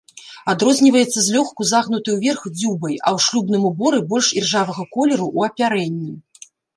Адрозніваецца злёгку загнутай уверх дзюбай, а ў шлюбным уборы больш іржавага колеру ў апярэнні.